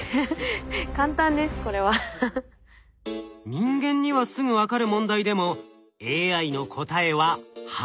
人間にはすぐ分かる問題でもＡＩの答えは８。